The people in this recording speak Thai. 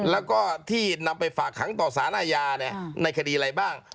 แล้วก็ที่นำไปฝากขังต่อสารอาญาในคดีอะไรบ้าง